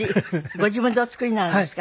ご自分でお作りになるんですか？